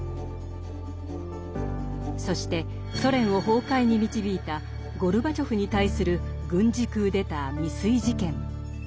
そしてソ連を崩壊に導いたゴルバチョフに対する軍事クーデター未遂事件。